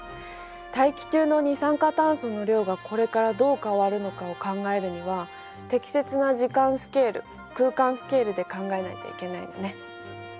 大気中の二酸化炭素の量がこれからどう変わるのかを考えるには適切な時間スケール空間スケールで考えないといけないのね。